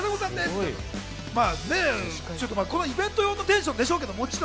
イベント用のテンションでしょうけど。